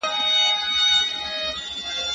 زه اوس سبزیجات وخورم؟